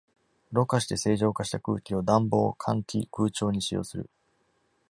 ろ過して清浄化した空気を、暖房、換気、空調に使用する。